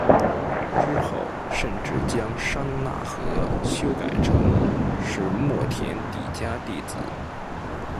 之后甚至将商那和修改成是末田底迦弟子。